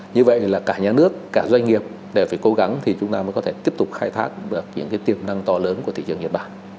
như vậy là cả nhà nước cả doanh nghiệp đều phải cố gắng thì chúng ta mới có thể tiếp tục khai thác được những tiềm năng to lớn của thị trường nhật bản